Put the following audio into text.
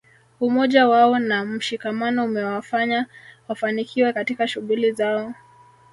Umoja wao na mshikamano umewafanya wafanikiwe katika shughuli zao